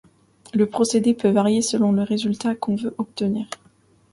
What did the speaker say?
Le procédé peut varier selon le résultat qu'on veut obtenir.